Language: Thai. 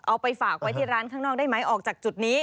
เอาไปฝากไว้ที่ร้านข้างนอกได้ไหมออกจากจุดนี้